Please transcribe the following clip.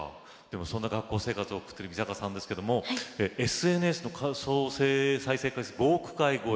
そんな学校生活を送っている三阪さんですがＳＮＳ再生回数５億回超え。